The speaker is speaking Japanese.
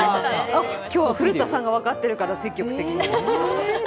今日は古田さんが分かってるから積極的。